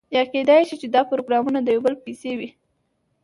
یا کیدای شي چې دا پروګرامونه یو د بل پسې وي.